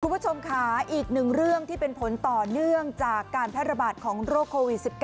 คุณผู้ชมค่ะอีกหนึ่งเรื่องที่เป็นผลต่อเนื่องจากการแพร่ระบาดของโรคโควิด๑๙